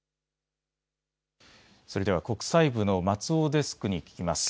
それでは国際部の松尾デスクに聞きます。